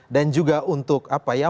dan juga untuk apa ya